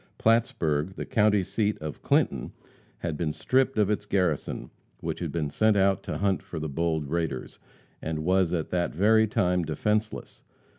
Plattsburg, the county seat of Clinton, had been stripped of its garrison, which had been sent out to hunt for the bold raiders, and was at that very time defenseless.